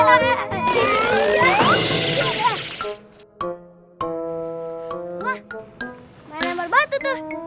wah main lempar batu tuh